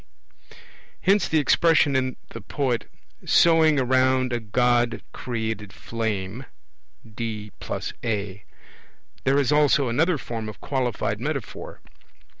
Hence the expression in the poet, 'sowing around a god created flame' (D + A). There is also another form of qualified metaphor.